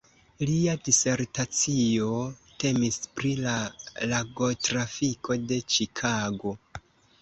Lia disertacio temis pri la lagotrafiko de Ĉikago.